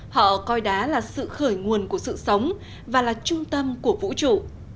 họ coi đá là sự khởi nguồn của sự sống và là trung tâm của vũ trụ